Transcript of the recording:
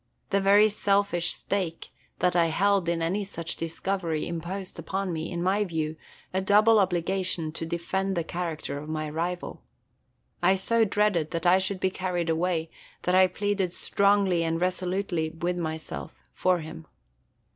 The very selfish stake that I held in any such discovery imposed upon me, in my view, a double obligation to defend the character of my rival. I so dreaded that I should be carried away that I pleaded strongly and resolutely with myself for him.